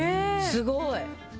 すごい。